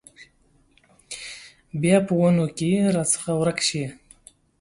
بیا په ونو کې راڅخه ورکه شي